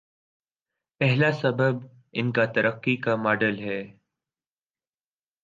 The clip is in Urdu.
پہلا سبب ان کا ترقی کاماڈل ہے۔